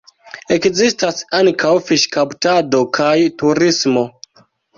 Ekzistas ankaŭ fiŝkaptado kaj turismo.